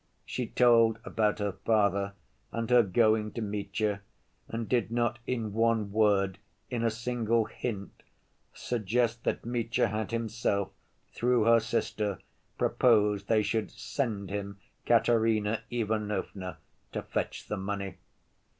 She told about her father and her going to Mitya, and did not in one word, in a single hint, suggest that Mitya had himself, through her sister, proposed they should "send him Katerina Ivanovna" to fetch the money.